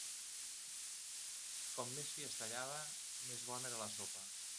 Com més fi es tallava, més bona era la sopa.